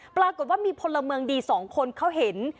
ปรากฏว่ามีพลเมืองดีสองคนเขาเห็น